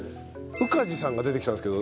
宇梶さんが出てきたんですけど。